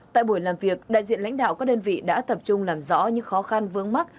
tại buổi làm việc đại diện lãnh đạo các đơn vị đã tập trung làm rõ những khó khăn vướng mắt